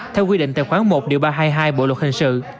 theo quy định tài khoản một ba trăm hai mươi hai bộ luật hình sự